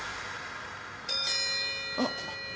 あっ。